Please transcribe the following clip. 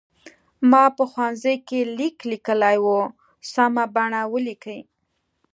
ما په ښوونځي کې لیک لیکلی و سمه بڼه ولیکئ.